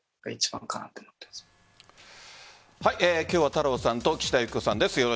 今日は太郎さんと岸田雪子さんです。